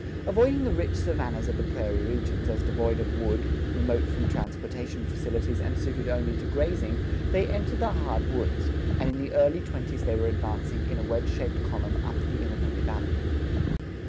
Avoiding the rich savannas of the prairie regions, as devoid of wood, remote from transportation facilities, and suited only to grazing, they entered the hard woods and in the early twenties they were advancing in a wedge shaped column up the Illinois Valley.